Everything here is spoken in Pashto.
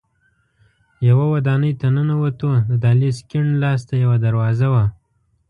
یوه ودانۍ ته ننوتو، د دهلېز کیڼ لاس ته یوه دروازه وه.